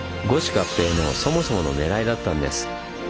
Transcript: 合併のそもそものねらいだったんです。